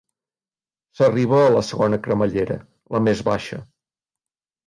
S'arriba a la segona cremallera, la més baixa.